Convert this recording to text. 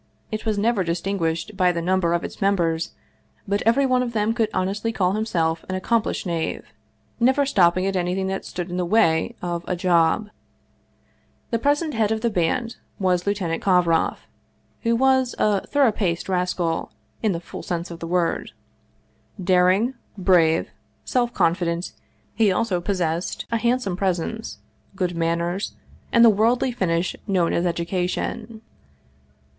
It was never distinguished by the number of its members, but everyone of them could honestly call himself an ac complished knave, never stopping at anything that stood in the way of a " job." The present head of the band was Lieutenant Kovroff, who was a thorough paced rascal, in the full sense of the word. Daring, brave, self confident, he also possessed a handsome presence, good manners, and the worldly finish known as education.